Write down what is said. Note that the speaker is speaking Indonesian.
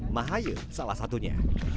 mahaya salah satunya